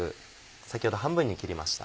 先ほど半分に切りました。